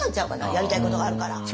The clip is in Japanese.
やりたいことがあるから。